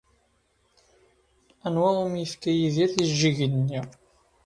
Anwa umi yefka Yidir tijeǧǧigin-nni?